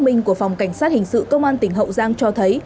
minh của phòng cảnh sát hình sự công an tỉnh hậu giang cho thấy